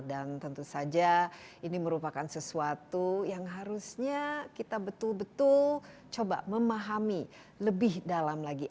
dan tentu saja ini merupakan sesuatu yang harusnya kita betul betul coba memahami lebih dalam lagi